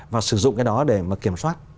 và sử dụng cái đó để kiểm soát